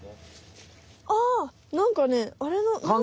あなんかねあれの。